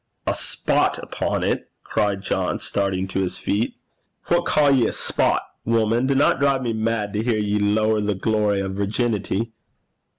'A spot upo' 't?' cried John, starting to his feet. 'What ca' ye a spot? Wuman, dinna drive me mad to hear ye lichtlie the glory o' virginity.'